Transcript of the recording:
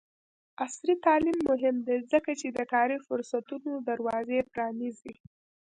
عصري تعلیم مهم دی ځکه چې د کاري فرصتونو دروازې پرانیزي.